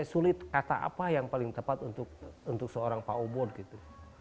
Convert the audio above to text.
sulit kata apa yang paling tepat untuk seorang pak ubud gitu